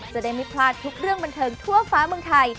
จะได้ไม่พลาดทุกเรื่องบันเทิงทั่วฟ้าเมืองไทย